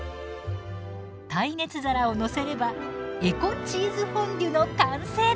耐熱皿をのせればエコチーズフォンデュの完成です。